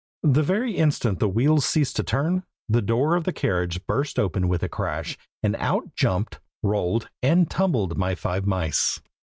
The very instant the wheels ceased to turn, the door of the carriage burst open with a crash, and out jumped, rolled, and tumbled my five mice.